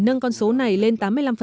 nâng con số này lên tám mươi năm